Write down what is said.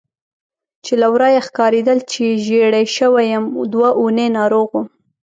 چې له ورایه ښکارېدل چې ژېړی شوی یم، دوه اونۍ ناروغ وم.